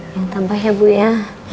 jangan sabar ya bu ya